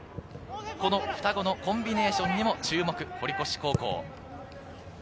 この双子のコンビネーションにも注目。